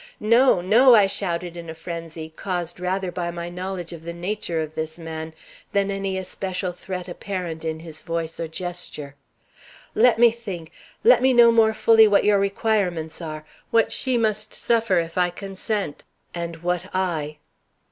"No, no!" I shouted in a frenzy, caused rather by my knowledge of the nature of this man than any especial threat apparent in his voice or gesture. "Let me think; let me know more fully what your requirements are what she must suffer if I consent and what I."